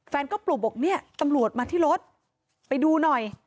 แฟนก็ปลูกบอกเนี่ยตำรวจมาที่รถไปดูหน่อย